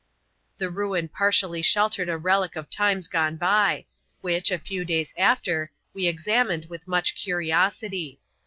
The ruin partially sheltered a relic of times gone by, which, a few days after, we examined with much curiosity.